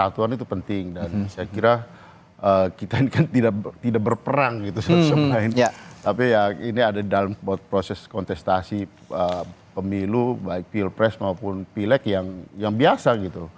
tapi ya ini ada dalam proses kontestasi pemilu baik pilpres maupun pileg yang biasa gitu